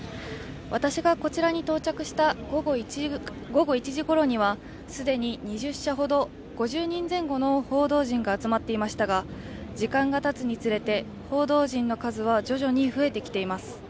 私がこちらに到着した午後１時ごろには既に２０社ほど、５０人前後の報道陣が集まっていましたが、時間がたつに連れて、報道陣の数は徐々に増えてきています。